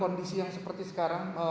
kondisi yang seperti sekarang